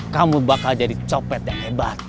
kamu bakal jadi copet yang hebat